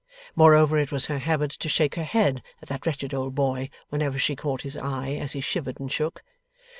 Moreover it was her habit to shake her head at that wretched old boy whenever she caught his eye as he shivered and shook.